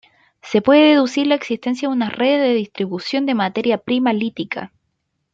Se puede deducir la existencia de unas redes de distribución de materia prima lítica.